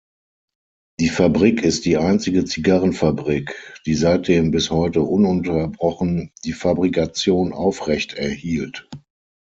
Die Fabrik ist die einzige Zigarrenfabrik, die seitdem bis heute ununterbrochen die Fabrikation aufrechterhielt.